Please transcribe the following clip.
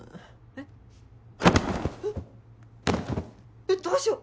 えっどうしよう！